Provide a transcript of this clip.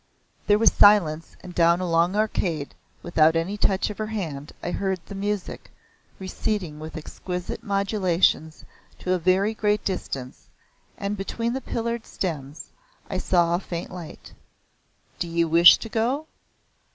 There was silence and down a long arcade, without any touch of her hand I heard the music, receding with exquisite modulations to a very great distance, and between the pillared stems, I saw a faint light. "Do you wish to go?"